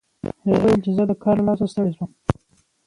هغې وویل چې زه د کار له لاسه ستړې شوم